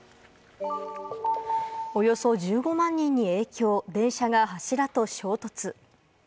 およそ１５万人に影響、電車が柱と衝突。